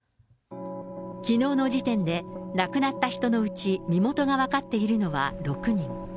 きのうの時点で亡くなった人のうち、身元が分かっているのは６人。